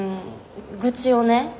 愚痴をね